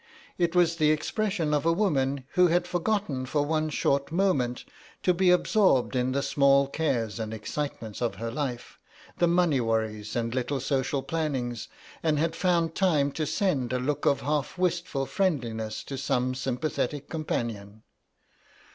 It was the expression of a woman who had forgotten for one short moment to be absorbed in the small cares and excitements of her life, the money worries and little social plannings, and had found time to send a look of half wistful friendliness to some sympathetic companion.